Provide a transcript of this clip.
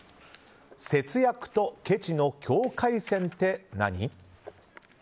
節約とけちの境界線って何？